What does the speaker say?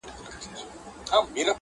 بس په نغري کي د بوډا مخ ته لمبه لګیږي!.